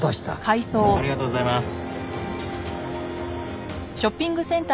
ありがとうございます。